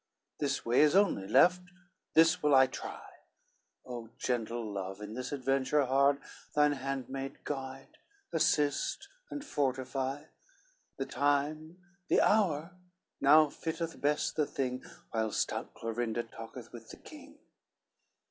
This way is only left, this will I try: O gentle love, in this adventure hard Thine handmaid guide, assist and fortify! The time, the hour now fitteth best the thing, While stout Clorinda talketh with the king."